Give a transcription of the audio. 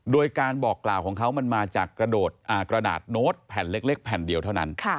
โดยการบอกกล่าวของเขามันมาจากกระดาษโน้ตแผ่นเล็กแผ่นเดียวเท่านั้น